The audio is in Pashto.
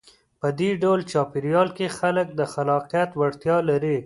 په دې ډول چاپېریال کې خلک د خلاقیت وړتیا لري.